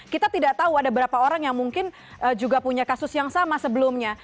kita tidak tahu ada berapa orang yang mungkin juga punya kasus yang sama sebelumnya